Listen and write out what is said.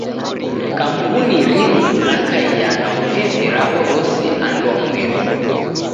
Kampuni rimu rakaia na ofisi raw'o rose anduamweri.